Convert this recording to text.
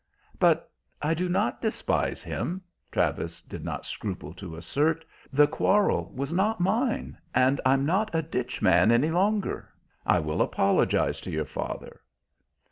"But I do not despise him," Travis did not scruple to assert. "The quarrel was not mine; and I'm not a ditch man any longer. I will apologize to your father."